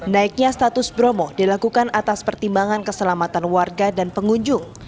naiknya status bromo dilakukan atas pertimbangan keselamatan warga dan pengunjung